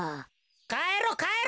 かえろうかえろう。